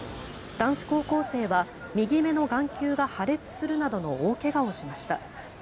男子高校生は右目の眼球が破裂するなどの大怪我を負いました。